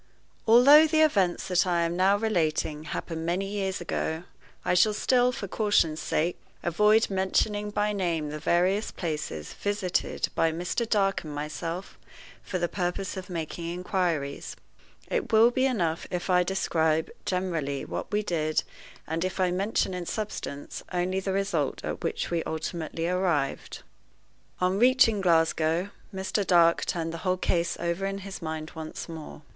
ALTHOUGH the events that I am now relating happened many years ago, I shall still, for caution's sake, avoid mentioning by name the various places visited by Mr. Dark and myself for the purpose of making inquiries. It will be enough if I describe generally what we did, and if I mention in substance only the result at which we ultimately arrived. On reaching Glasgow, Mr. Dark turned the whole case over in his mind once more.